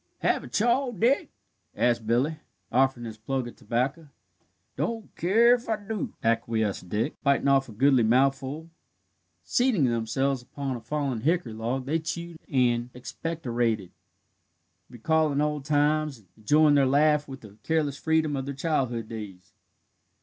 "Have a chaw, Dick?" asked Billy, offering his plug of tobacco. "Don't keer if I do," acquiesced Dick, biting off a goodly mouthful. Seating themselves upon a fallen hickory log, they chewed and expectorated, recalling old times, and enjoying their laugh with the careless freedom of their childhood days.